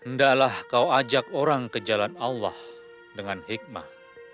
ndaklah kau ajak orang ke jalan allah dengan hikmah